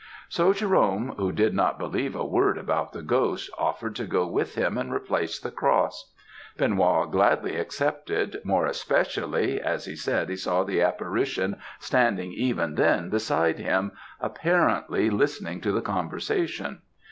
"'So Jerome who did not believe a word about the ghost, offered to go with him and replace the cross. Benoît gladly accepted, more especially, as he said he saw the apparition standing even then beside him, apparently, listening to the conversation.